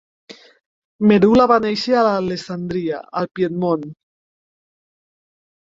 Merula va néixer a Alessandria al Piedmont.